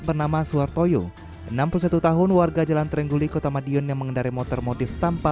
bernama suhartoyo enam puluh satu tahun warga jalan trengguli kota madiun yang mengendari motor motif tanpa